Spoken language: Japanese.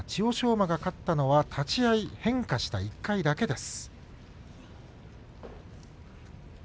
馬が勝ったのは立ち合い、変化した１回だけです。